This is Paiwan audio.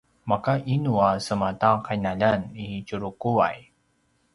maka inu a sema ta qinaljan i Tjuruquay?